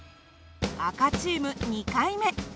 赤チーム２回目。